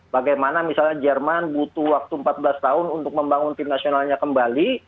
bagaimana misalnya jerman butuh waktu empat belas tahun untuk membangun tim nasionalnya kembali